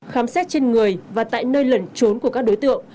khám xét trên người và tại nơi lẩn trốn của các đối tượng